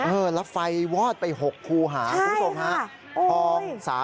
แล้วไฟวอดไปหกครูหาคุณผู้ชมค่ะ